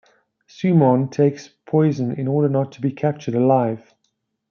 Simoun takes poison in order not to be captured alive.